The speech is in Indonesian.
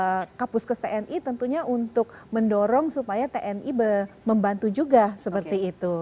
bapak menteri membawa kapuskes tni tentunya untuk mendorong supaya tni membantu juga seperti itu